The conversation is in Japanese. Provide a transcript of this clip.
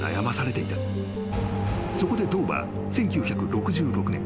［そこで道は１９６６年］